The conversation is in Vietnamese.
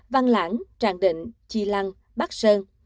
văn lãng tràng định chi lăng bắc sơn